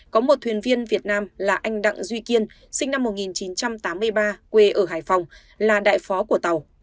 có một thuyền viên việt nam là anh đặng duy kiên sinh năm một nghìn chín trăm tám mươi ba quê ở hải phòng là đại phó của tàu